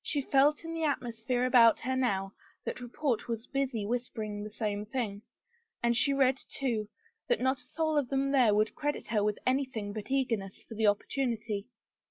She felt in the atmosphere about her now that report was busy whis pering the same thing, and she read, too, that not a soul of them there would credit her with anything but eager ness for the opportunity.